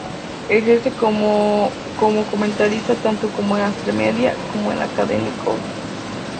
Ejerce como como comentarista tanto en Atresmedia como en la Cadena Cope.